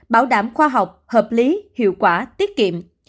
bảo đảm khoa học hợp lý hiệu quả tiết kiệm